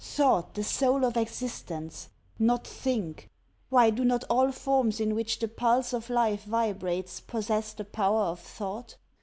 Thought the soul of existence! Not think! why do not all forms in which the pulse of life vibrates, possess the power of thought?